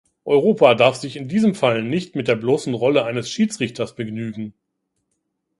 Europa darf sich in diesem Fall nicht mit der bloßen Rolle eines Schiedsrichters begnügen.